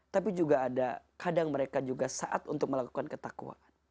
tapi juga ada kadang mereka juga saat untuk melakukan ketakwaan